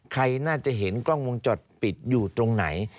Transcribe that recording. ใครน่าจะเห็นกล้องวงจรปิดอยู่ตรงไหน